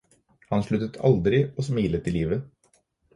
Hun sluttet aldri å smile til livet.